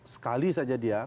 sekali saja dia